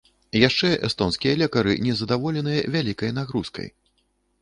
Яшчэ эстонскія лекары не задаволеныя вялікай нагрузкай.